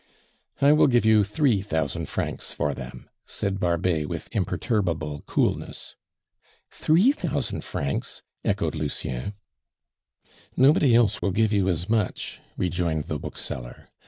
"I will give you three thousand francs for them," said Barbet with imperturbable coolness. "Three thousand francs!" echoed Lucien. "Nobody else will give you as much," rejoined the bookseller.